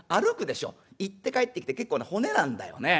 行って帰ってきて結構な骨なんだよね。